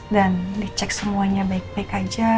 dan dicek semuanya baik baik aja